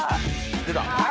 出た！